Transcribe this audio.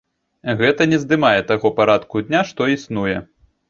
Гэта не здымае таго парадку дня, што існуе.